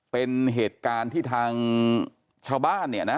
เป็นเหตุการณ์ที่ทางชาวบ้านเนี่ยนะ